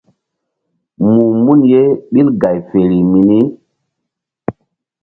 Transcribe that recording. Muh mun ye ɓil gay feri mini.